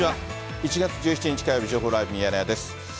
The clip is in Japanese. １月１７日火曜日、情報ライブミヤネ屋です。